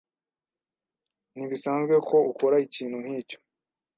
Ntibisanzwe ko ukora ikintu nkicyo.